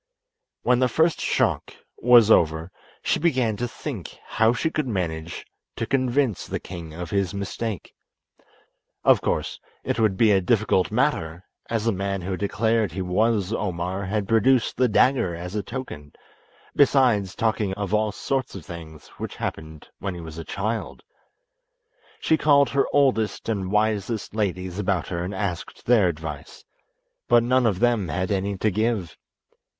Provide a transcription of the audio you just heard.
When the first shock was over she began to think how she could manage to convince the king of his mistake. Of course it would be a difficult matter, as the man who declared he was Omar had produced the dagger as a token, besides talking of all sorts of things which happened when he was a child. She called her oldest and wisest ladies about her and asked their advice, but none of them had any to give.